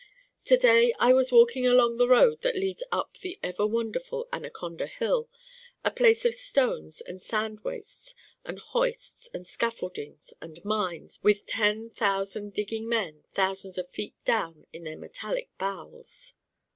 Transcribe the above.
To day I was walking along the road that leads up the ever wonderful Anaconda Hill a place of stones and sand wastes and hoists and scaffoldings and mines with ten thousand digging men thousands of feet down in their metallic bowels.